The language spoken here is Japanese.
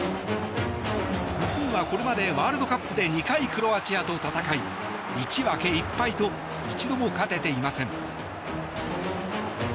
日本はこれまでワールドカップで２回、クロアチアと戦い１分け１敗と一度も勝てていません。